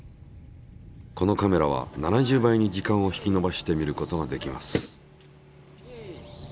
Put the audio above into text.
このカメラは７０倍に時間を引き延ばして見ることができます。